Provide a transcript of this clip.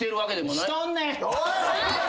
おい！